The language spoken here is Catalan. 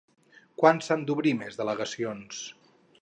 Quan s'han d'obrir més delegacions?